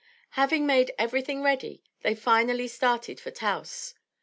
Having made everything ready, they finally started for Taos.